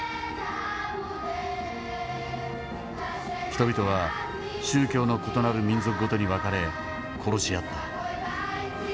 人々は宗教の異なる民族ごとに分かれ殺し合った。